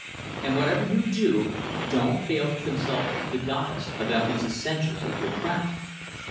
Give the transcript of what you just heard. And, whatever you do, don't fail to consult the 'Goddess' about these essentials of your craft.